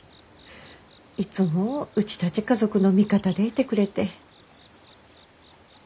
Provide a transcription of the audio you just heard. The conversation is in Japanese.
いつもうちたち家族の味方でいてくれて。